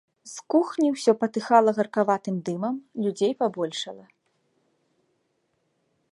З кухні ўсё патыхала гаркаватым дымам, людзей пабольшала.